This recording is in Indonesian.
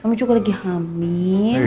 kamu juga lagi hamil